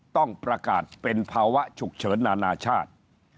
ต้องประกาศเป็นภาวะฉุกเฉินนานาชาติ